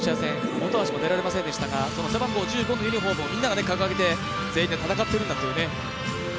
本橋も出られませんでしたが、背番号１５のユニフォームをみんなが掲げて全員で戦っているんだと。